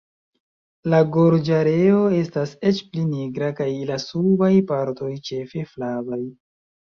La gorĝareo estas eĉ pli nigra, kaj la subaj partoj ĉefe flavaj.